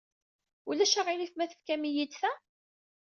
Ulac aɣilif ma tefkam-iyi-d ta?